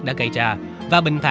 đã gây ra